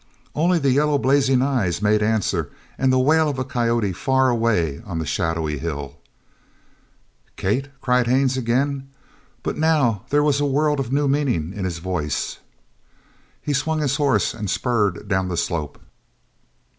Only the yellow blazing eyes made answer and the wail of a coyote far away on the shadowy hill. "Kate!" cried Haines again, but now there was a world of new meaning in his voice. He swung his horse and spurred down the slope.